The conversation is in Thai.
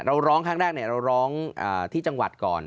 ร้องครั้งแรกเราร้องที่จังหวัดก่อน